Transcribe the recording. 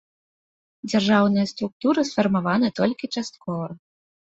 Дзяржаўныя структуры сфармаваныя толькі часткова.